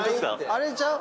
あれちゃう？